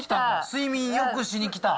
睡眠よくしに来た。